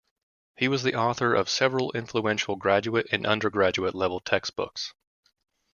He was the author of several influential graduate and undergraduate level textbooks.